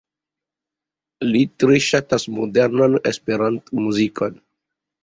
Li tre ŝatas modernan Esperanto-muzikon.